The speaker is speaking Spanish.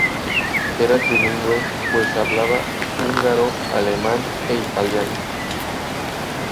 Era trilingüe, pues hablaba húngaro, alemán e italiano.